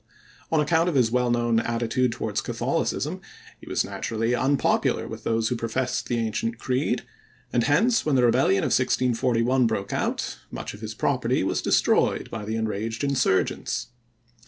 On account of his well known attitude towards Catholicism, he was naturally unpopular with those who professed the ancient creed, and hence, when the rebellion of 1641 broke out, much of his property was destroyed by the enraged insurgents.